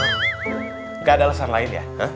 tidak ada alasan lain ya